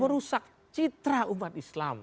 terusak citra umat islam